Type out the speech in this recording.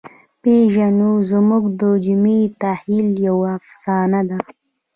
پيژو زموږ د جمعي تخیل یوه افسانه ده.